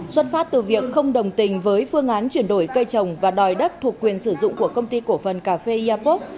xuất phát từ việc không đồng tình với phương án chuyển đổi cây trồng và đòi đất thuộc quyền sử dụng của công ty cổ phần cà phê airpop